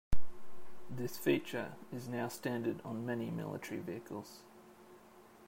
This feature is now standard on many military vehicles.